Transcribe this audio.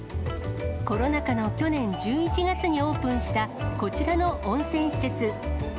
コロナ禍の去年１１月にオープンした、こちらの温泉施設。